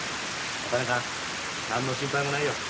おたねさん何の心配もないよ。